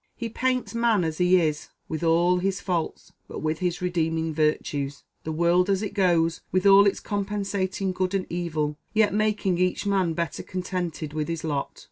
He paints man as he is, with all his faults, but with his redeeming virtues the world as it goes, with all its compensating good and evil, yet making each man better contented with his lot.